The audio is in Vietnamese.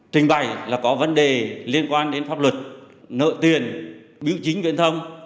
trình bày là có vấn đề liên quan đến pháp luật nợ tiền biểu chính viện thông